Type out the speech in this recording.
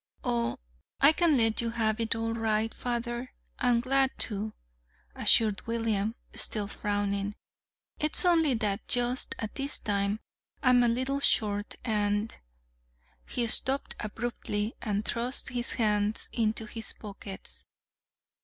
"Oh, I can let you have it all right, father, and glad to," assured William, still frowning. "It's only that just at this time I'm a little short, and " He stopped abruptly and thrust his hands into his pockets.